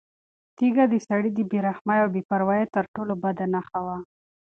تیږه د سړي د بې رحمۍ او بې پروایۍ تر ټولو بده نښه وه.